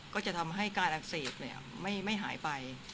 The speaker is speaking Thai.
ก็จะทำให้การอักเสบไม่หายไป